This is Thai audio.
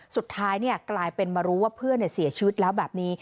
สุดท้ายกลายเป็นมารู้ว่าเพื่อนเสียชีวิตแล้วแบบนี้